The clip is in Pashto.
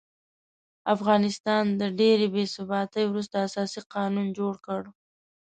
افغانستان د ډېرې بې ثباتۍ وروسته اساسي قانون جوړ کړ.